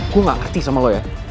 gue gak ngerti sama lo ya